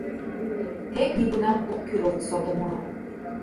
Тек нигунам ок кӱрылт сото муро.